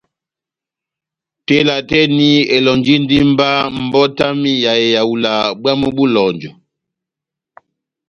Tela tɛ́h eni elɔ́njindi mba mbɔti yami ya ehawula bwámu bó eloŋjɔ.